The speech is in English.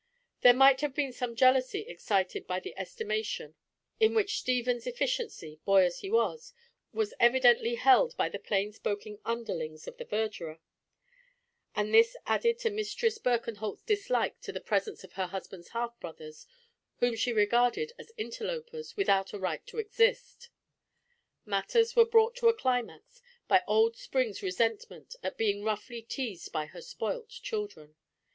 There might have been some jealousy excited by the estimation in which Stephen's efficiency—boy as he was—was evidently held by the plain spoken underlings of the verdurer; and this added to Mistress Birkenholt's dislike to the presence of her husband's half brothers, whom she regarded as interlopers without a right to exist. Matters were brought to a climax by old Spring's resentment at being roughly teased by her spoilt children.